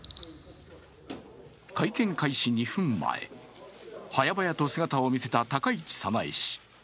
会見開始２分前、はやばやと姿を見せた高市早苗氏。